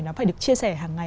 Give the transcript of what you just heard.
nó phải được chia sẻ hàng ngày